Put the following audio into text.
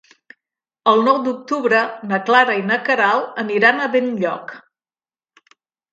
El nou d'octubre na Clara i na Queralt aniran a Benlloc.